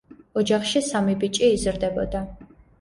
ოჯახში სამი ბიჭი იზრდებოდა.